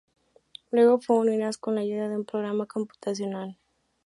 Luego, fueron unidas con la ayuda de un programa computacional.